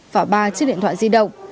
và ba chiếc điện thoại di động